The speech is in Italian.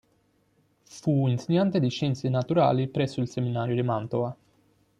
Fu insegnante di scienze naturali presso il seminario di Mantova.